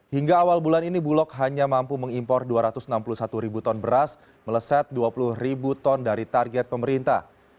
hingga awal bulan ini bulog hanya mampu mengimpor dua ratus enam puluh satu ribu ton beras meleset dua puluh ribu ton dari target pemerintah